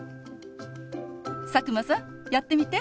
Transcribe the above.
佐久間さんやってみて。